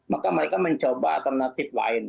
maka mereka mencoba alternatif lain